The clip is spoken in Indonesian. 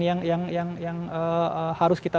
yang harus kita